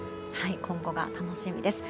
今後が楽しみです。